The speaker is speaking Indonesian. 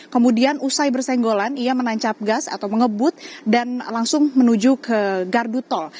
kemudian usai bersenggolan ia menancap gas atau mengebut dan langsung menuju ke gardu tol